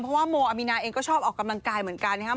เพราะว่าโมอามีนาเองก็ชอบออกกำลังกายเหมือนกันนะครับ